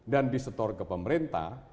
dan disetor ke pemerintah